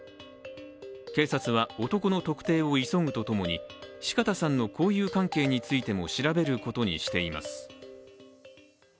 警察は男の特定を急ぐとともに四方さんの交友関係についても調べることとしています。